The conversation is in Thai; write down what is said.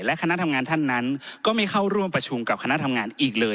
และคณะทำงานท่านนั้นก็ไม่เข้าร่วมประชุมกับคณะทำงานอีกเลย